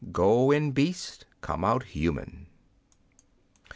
Go in beast, come out human